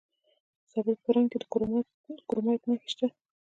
د زابل په ترنک کې د کرومایټ نښې شته.